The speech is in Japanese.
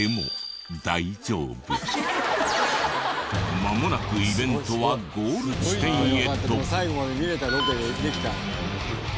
まもなくイベントはゴール地点へと。